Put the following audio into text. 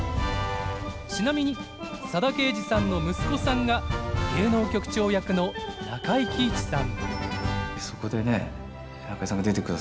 ちなみに佐田啓二さんの息子さんが芸能局長役の中井貴一さん。